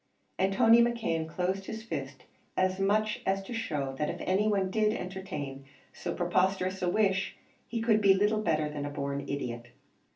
And Tony McKeon closed his fist as much as to show that if any one did entertain so preposterous a wish he could be little better than a born idiot.